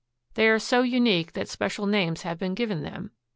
They are so unique that special names have been given them.